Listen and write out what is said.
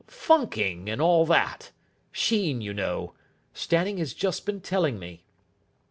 "Funking, and all that. Sheen, you know. Stanning has just been telling me."